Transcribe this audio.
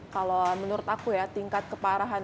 kalau menurut aku ya tingkat keparahan